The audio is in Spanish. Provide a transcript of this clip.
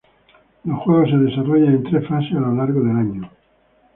Los juegos se desarrollan en tres fases a lo largo del año.